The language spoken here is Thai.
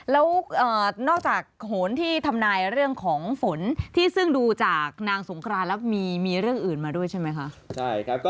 แล้วนอกจากโหนที่ทำนายเรื่องของฝนที่ซึ่งดูจากนางสงครานแล้วมีเรื่องอื่นมาด้วยใช่ไหมคะ